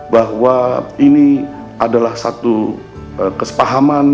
bahwa ini adalah satu kesepahaman